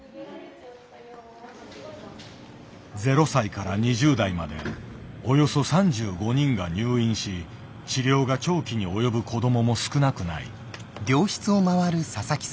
０歳から２０代までおよそ３５人が入院し治療が長期に及ぶ子どもも少なくない。